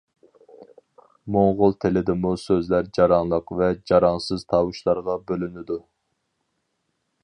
موڭغۇل تىلىدىمۇ سۆزلەر جاراڭلىق ۋە جاراڭسىز تاۋۇشلارغا بۆلىنىدۇ.